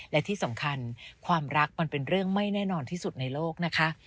และที่สำคัญความรักมันเป็นเรื่องไม่แน่นอนที่สุดในโลกนะคะ